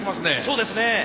そうですね。